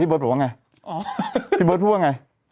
พี่เบิร์ดพูดว่าไงพี่เบิร์ดพูดว่าไง